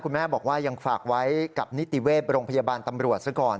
แม่บอกว่ายังฝากไว้กับนิติเวศโรงพยาบาลตำรวจซะก่อน